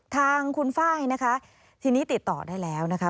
ทางคุณไฟล์นะคะทีนี้ติดต่อได้แล้วนะคะ